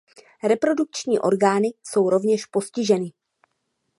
Reprodukční orgány jsou rovněž postiženy.